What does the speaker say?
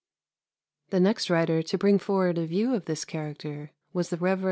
The next writer to bring forward a view of this character was the Rev. F.